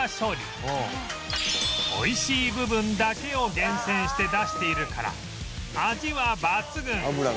美味しい部分だけを厳選して出しているから味は抜群！